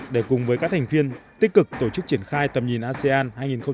để cùng với các thành viên tích cực tổ chức triển khai tầm nhìn asean hai nghìn hai mươi năm